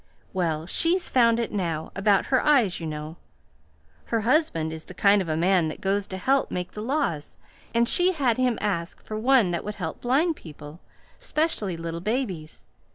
Well, she's found it now about her eyes, you know. Her husband is the kind of a man that goes to help make the laws, and she had him ask for one that would help blind people, 'specially little babies.